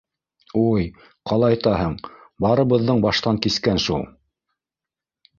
- Уй-й, ҡалайтаһың, барыбыҙҙың баштан кискән шул.